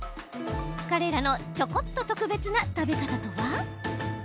彼らのチョコっと特別な食べ方とは？